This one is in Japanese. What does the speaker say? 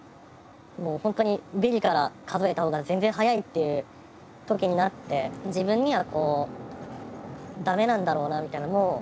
もう本当にビリから数えた方が全然早いっていう時になって自分にはダメなんだろうなみたいな。